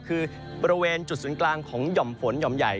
คือบริเวณจุดศูนย์กลางของหย่อมฝนหย่อมใหญ่